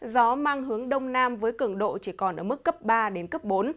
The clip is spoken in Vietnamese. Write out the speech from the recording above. gió mang hướng đông nam với cường độ chỉ còn ở mức cấp ba bốn